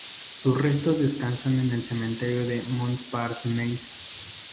Sus restos descansan en el cementerio de Montparnasse.